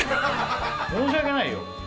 申し訳ないよ。